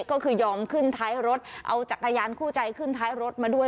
ก็คือยอมขึ้นท้ายรถเอาจักรยานคู่ใจขึ้นท้ายรถมาด้วย